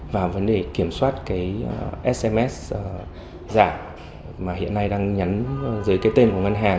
và vấn đề kiểm soát cái sms giả mà hiện nay đang dưới cái tên của ngân hàng